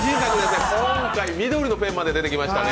今回、緑のペンまで出てきましたね。